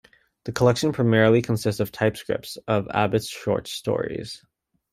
The collection primarily consists of typescripts of Abbott's short stories.